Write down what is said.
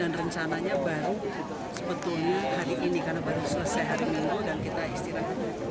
dan rencananya baru sebetulnya hari ini karena baru selesai hari minggu dan kita istirahat